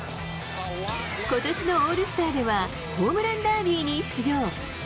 ことしのオールスターでは、ホームランダービーに出場。